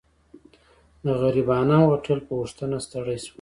د غریبانه هوټل په پوښتنه ستړی شوم.